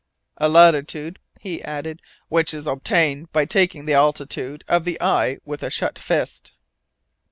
"A latitude," he added, "which is obtained by taking the altitude of the eye with a shut fist."